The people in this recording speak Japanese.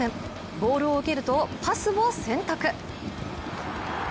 ボールを受けるとパスを選択。